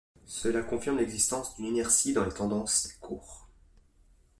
Cela confirme l‘existence d’une inertie dans la tendance des cours.